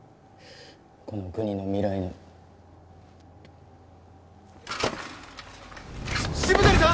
この国の未来の渋谷さん！？